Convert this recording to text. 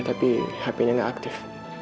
tapi hpnya gak aktif